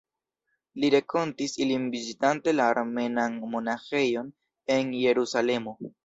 Li renkontis ilin vizitante la armenan monaĥejon en Jerusalemo.